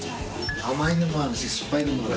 甘いのもあるし酸っぱいのもある。